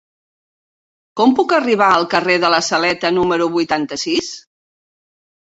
Com puc arribar al carrer de la Saleta número vuitanta-sis?